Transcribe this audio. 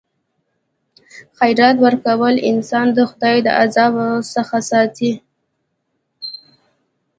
خیرات ورکول انسان د خدای د عذاب څخه ساتي.